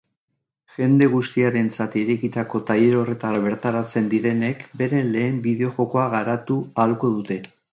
Jende guztiarentzat irekitako tailer horretara bertaratzen direnek beren lehen bideojokoa garatu ahalko dute.